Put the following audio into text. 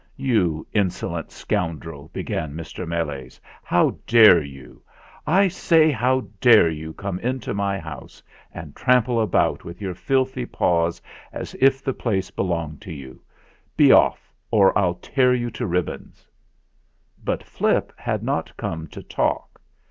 "You insolent scoundrel !" began Mr. Meles. "How dare you I say how dare you come into my house and trample about with your filthy paws, as if the place belonged to you? Be off, or I'll tear you to ribbons!" But Flip had not come to talk.